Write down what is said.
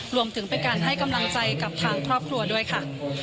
รวมถึงเป็นการให้กำลังใจกับทางครอบครัวด้วยค่ะ